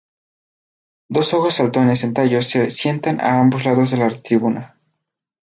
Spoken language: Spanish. Dos ojos saltones en tallos se sientan a ambos lados de la tribuna.